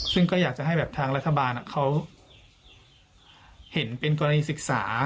ซึ่งก็อยากจะให้แบบทางรัฐบาลเขาเห็นเป็นกรณีศึกษา